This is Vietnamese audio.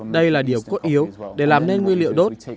đây là điều cốt yếu để làm nên nguyên liệu đốt